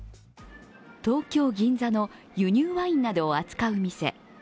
東京・銀座の輸入ワインなどを扱う店。